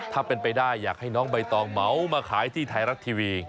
ถ้าเป็นไปได้อยากให้น้องใบตองเหมามาขายที่ไทยรัฐทีวี